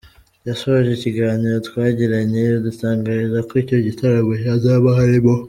yasoje ikiganiro twagiranye adutangariza ko icyo gitaramo hazaba harimo.